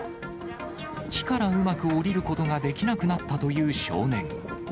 木からうまくおりることができなくなったという少年。